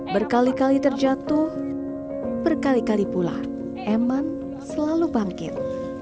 berkali kali terjatuh berkali kali pula eman selalu bangkit